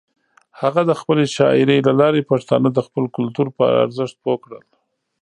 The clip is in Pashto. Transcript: هغه د خپلې شاعرۍ له لارې پښتانه د خپل کلتور پر ارزښت پوه کړل.